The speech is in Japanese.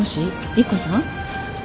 莉湖さん？